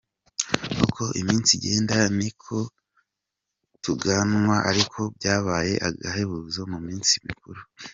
Uko iminsi igenda niko tuganwa ariko byabaye agahebuzo mu minsi mikuru.